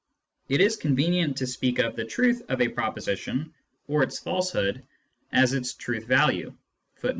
It is convenient to speak of the truth of a pro position, or its falsehood, as its " truth value " 2 ; i.